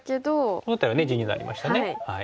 この辺りはね地になりましたね。